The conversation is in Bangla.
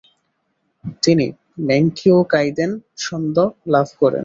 তিনি মেঙ্কিয়ো কাইদেন সন্দ লাভ করেন।